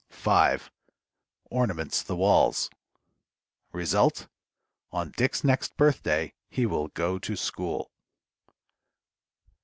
5. Ornaments the walls. _Result: On Dick's next Birthday he will go to School.